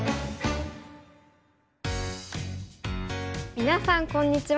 みなさんこんにちは。